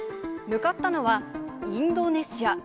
向かったのは、インドネシア。